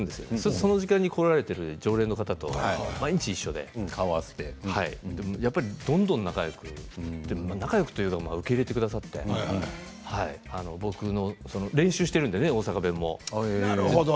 その時間に来られている常連の方と毎日一緒でどんどん仲よくなってというか受け入れてくださって大阪でも練習しているんでね。